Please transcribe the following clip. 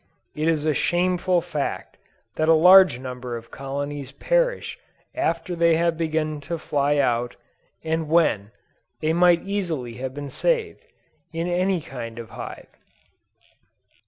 It is a shameful fact that a large number of colonies perish after they have begun to fly out, and when, they might easily have been saved, in any kind of hive.